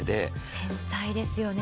繊細ですよね。